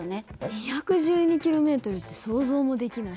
２１２ｋｍって想像もできない。